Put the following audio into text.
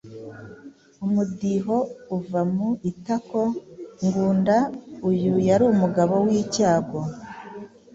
Umudiho uva mu itako !Ngunda uyu yari umugabo w’ icyago,